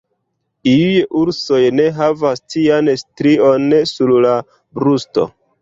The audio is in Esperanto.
Iuj ursoj ne havas tian strion sur la brusto.